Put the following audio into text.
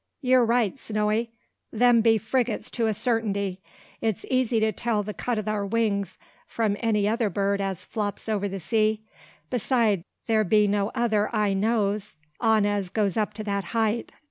Ye're right, Snowy. Them be frigates to a sartainty. It's easy to tell the cut o' thar wings from any other bird as flops over the sea. Beside, there be no other I knows on as goes up to that height.